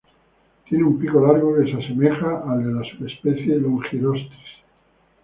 Tiene un pico largo que se asemeja al de la subespecie "longirostris".